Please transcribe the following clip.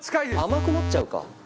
甘くなっちゃうか。